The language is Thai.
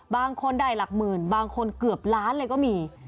บางคนได้หลักหมื่นบางคนเกือบล้านเลยก็มี